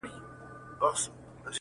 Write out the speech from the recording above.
او دا ځکه چې د فن او هنر ښکلا